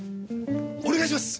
お願いします！